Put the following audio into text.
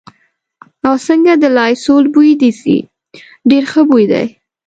او، څنګه د لایسول بوی دې ځي، ډېر ښه بوی دی.